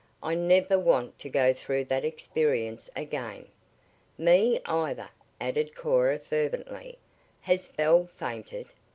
"I never want to go through that experience again." "Me either," added Cora fervently. "Has Belle fainted?"